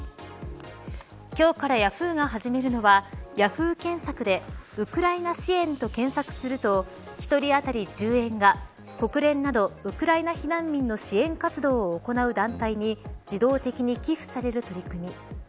今日からヤフーが始めるのはＹａｈｏｏ！検索でウクライナ支援と検索すると１人当たり１０円が国連などウクライナ避難民の支援活動を行う団体に自動的に寄付される取り組み。